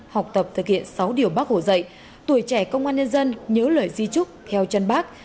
học tập thực hiện sáu điều bác hồ dạy tuổi trẻ công an nhân dân nhớ lời di trúc theo chân bác